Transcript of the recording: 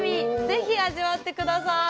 ぜひ味わって下さい。